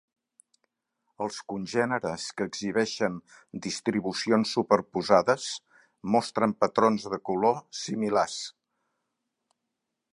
Els congèneres que exhibeixen distribucions superposades mostren patrons de color similars.